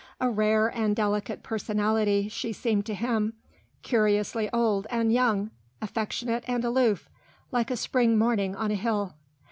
A rare and delicate personality she seemed to him, curiously old and young, affectionate and aloof, like a spring morning on a hill.